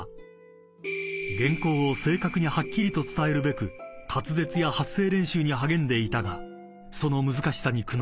［原稿を正確にはっきりと伝えるべく滑舌や発声練習に励んでいたがその難しさに苦悩］